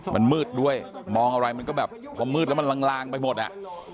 มันมืดด้วยมองอะไรมันก็แบบพอมืดแล้วมันลางไปหมดอ่ะ